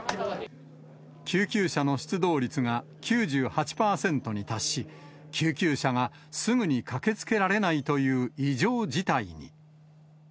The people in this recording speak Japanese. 救急車の出動率が９８％に達し、救急車がすぐに駆けつけられないという異常事態に。